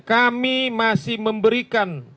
kami masih memberikan